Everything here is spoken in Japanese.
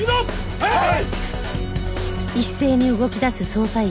はい！